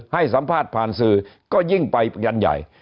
ให้สัมภาษณ์ผ่านสื่อก็ยิ่งไปยันใหญ่